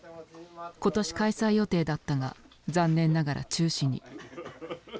今年開催予定だったが残念ながら中止に。